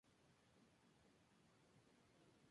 Cheng es Wan-Chun, o Wan-chün Cheng, o Wan Jun Zheng.